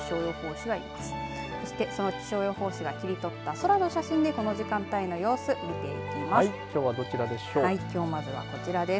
そして、その気象予報士が切り取った空の写真でこの時間帯の空の様子見ていきます。